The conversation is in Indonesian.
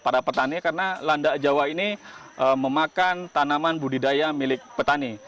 karena landak jawa ini memakan tanaman budidaya milik petani